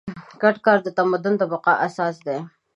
ګډ کار د تمدن د بقا اساس دی.